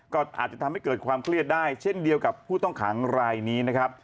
ก็อาจจะทำให้เกิดความเครียดได้เช่นเดียวกับผู้ต้องขังรายนี้นะครับ